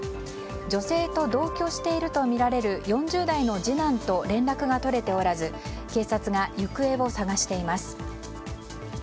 女性と同居しているとみられる４０代の次男と連絡が取れておらず、警察が行方を捜しています。